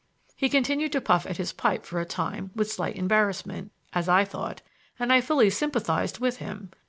He continued to puff at his pipe for a time with slight embarrassment, as I thought and I fully sympathized with him.